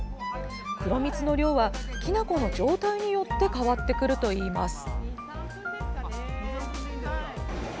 黒蜜の量はきな粉の状態によって変わってくるといいます。